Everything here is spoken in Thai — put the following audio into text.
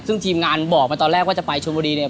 ซึ่งทีมงานบอกมาตอนแรกว่าจะไปชนบุรีเนี่ย